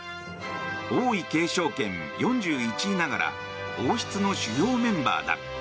王位継承権４１位ながら王室の主要メンバーだ。